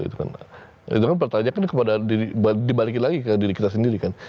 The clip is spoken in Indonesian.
itu kan pertanyaannya dibalikin lagi ke diri kita sendiri kan